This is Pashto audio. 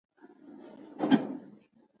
دا ټول د تولید بیه په ګوته کوي